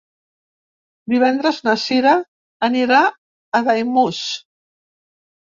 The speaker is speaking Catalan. Divendres na Cira anirà a Daimús.